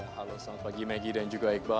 halo selamat pagi maggie dan juga iqbal